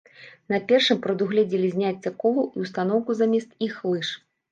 На першым прадугледзелі зняцце колаў і ўстаноўку замест іх лыж.